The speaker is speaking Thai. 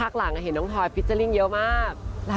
ภาคหลังเห็นน้องทอยพิจาริงเยอะมาก